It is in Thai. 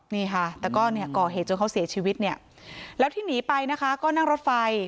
นี่ค่ะแต่ก็เนี่ยก่อเหตุจนเขาเสียชีวิตเนี่ยแล้วที่หนีไปนะคะก็นั่งรถไฟ